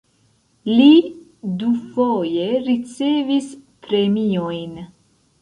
Li dufoje ricevis premiojn.